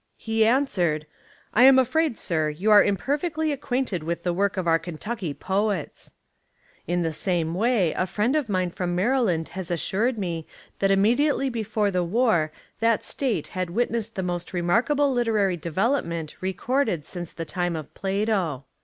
He answered, "I am afraid, sir, you are imperfectly acquainted with the work of our Kentucky poets." In the same way a friend of mine from Maryland has assured me that Immediately before the war that State had wit nessed the most remarkable literary develop ment recorded since the time of Plato.